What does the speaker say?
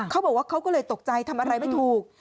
เขาบอกว่าเขาก็เลยตกใจทำอะไรไม่ถูก